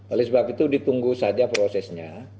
oleh sebab itu ditunggu saja prosesnya